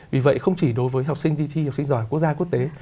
vì vậy không chỉ đối với học sinh thi học sinh giỏi quốc gia quốc tế